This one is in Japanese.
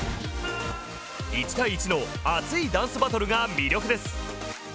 １対１の熱いダンスバトルが魅力です。